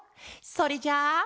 それじゃあ。